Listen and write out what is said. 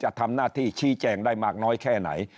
ทำหน้าที่ชี้แจงได้มากน้อยแค่ไหน